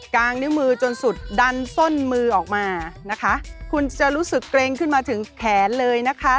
งนิ้วมือจนสุดดันส้นมือออกมานะคะคุณจะรู้สึกเกรงขึ้นมาถึงแขนเลยนะคะ